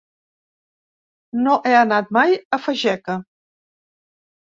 No he anat mai a Fageca.